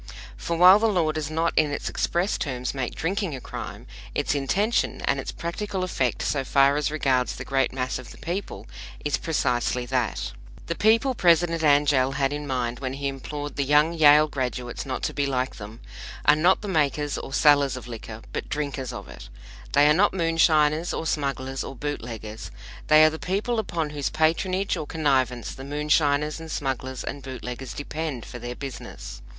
For while the law does not in its express terms make drinking a crime, its intention and its practical effect so far as regards the great mass of the people is precisely that. The people President Angell had in mind when he implored the young Yale graduates not to be like them, are not makers or sellers of liquor, but drinkers of it. They are not moonshiners or smugglers or bootleggers; they are the people upon whose patronage or connivance the moonshiners and smugglers and bootleggers depend for their business.